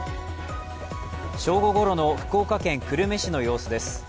正午ごろの福岡県久留米市の様子です。